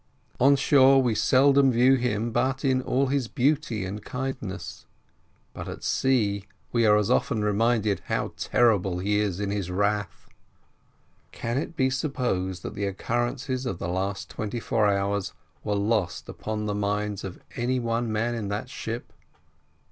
On shore we seldom view Him but in all His beauty and kindness; but at sea we are as often reminded how terrible He is in His wrath. Can it be supposed that the occurrences of the last twenty four hours were lost upon the mind of any one man in that ship?